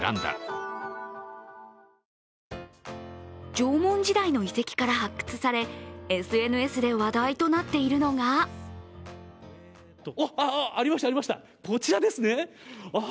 縄文時代の遺跡から発掘されＳＮＳで話題となっているのがありました、こちらですね。